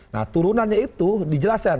nah turunannya itu dijelasin